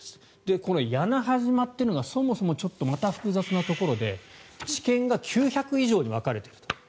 この屋那覇島というのがそもそもまたちょっと複雑なところで地権が９００以上に分かれていると。